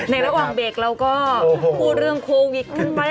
ในระหว่างเบรกเราก็พูดเรื่องโควิดขึ้นไป